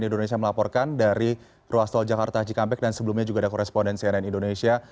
indonesia melaporkan dari ruas tol jakarta cikampek dan sebelumnya juga ada koresponden cnn indonesia